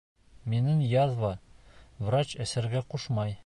— Минең язва, врач эсергә ҡушмай.